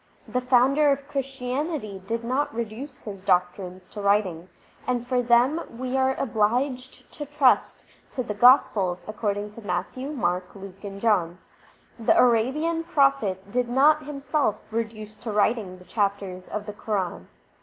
The Founder of Christianity did not reduce his doctrines to writing, and for them we are obliged to trust to the Gospels according to Matthew, Mark, Luke, and John. The Arabian Prophet did not himself reduce to writing the chapters of the Quran.